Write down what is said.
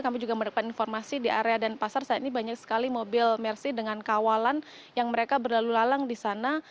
kami juga mendapat informasi di area denpasar saat ini banyak sekali mobil mercy dengan kawalan yang mereka berlalu lalang di sana